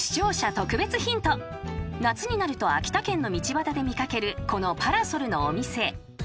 ［夏になると秋田県の道端で見掛けるこのパラソルのお店］